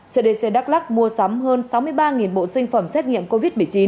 cdc đắk lắc mua sắm hơn sáu mươi ba bộ sinh phẩm xét nghiệm covid một mươi chín